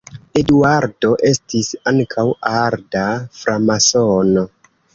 Eduardo estis ankaŭ arda framasono.